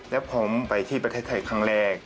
และผมไปที่ประเทศไทยครั้งแรก